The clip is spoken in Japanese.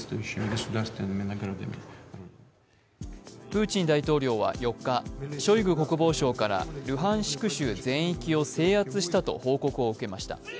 プーチン大統領は４日、ショイグ国防相からルハンシク州全域を制圧したと報告を受けました。